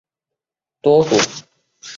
多果雪胆为葫芦科雪胆属下的一个变种。